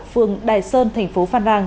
phương đài sơn thành phố phan rang